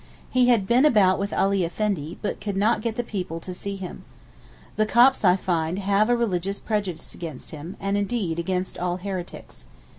He had been about with Ali Effendi, but could not get the people to see him. The Copts, I find, have a religious prejudice against him, and, indeed, against all heretics.